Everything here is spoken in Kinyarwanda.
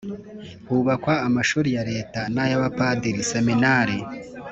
hubakwa amashuri ya leta n’ay’abapadiri(seminari).